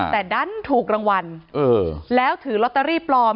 แต่ดันถูกรางวัลแล้วถือลอตเตอรี่ปลอม